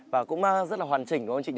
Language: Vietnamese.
và cũng rất là hoàn chỉnh đúng không chị